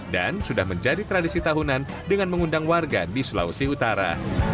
dan sudah menjadi tradisi tahunan dengan mengundang warga di sulawesi tara